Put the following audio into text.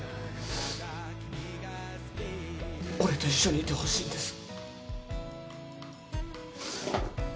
俺と一緒にいてほしいんです。